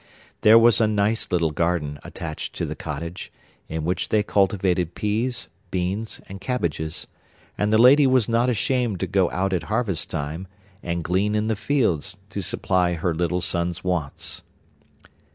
There was a nice little garden attached to the cottage, in which they cultivated peas, beans, and cabbages, and the lady was not ashamed to go out at harvest time, and glean in the fields to supply her little son's wants.